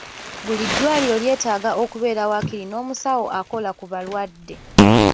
Buli ddwaliro lyetaaga okubeera waakiri n'omusawo akola ku balwadde.